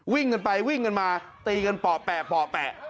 วิ่งกันไปวิ่งกันมาตีกันป่อแปะป่อแปะ